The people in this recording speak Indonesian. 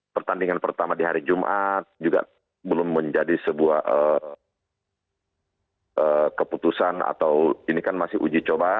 pertandingan pertama di hari jumat juga belum menjadi sebuah keputusan atau ini kan masih uji coba